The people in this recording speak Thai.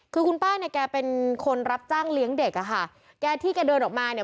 คือคุณป้าเนี่ยแกเป็นคนรับจ้างเลี้ยงเด็กอะค่ะแกที่แกเดินออกมาเนี่ย